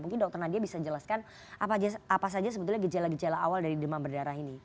mungkin dokter nadia bisa jelaskan apa saja sebetulnya gejala gejala awal dari demam berdarah ini